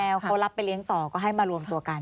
แล้วเขารับไปเลี้ยงต่อก็ให้มารวมตัวกัน